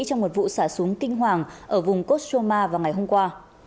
trong một vụ xả súng kinh hoàng ở vùng koschoma vào ngày hôm qua